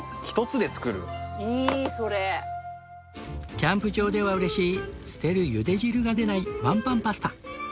キャンプ場では嬉しい捨てるゆで汁が出ないワンパンパスタ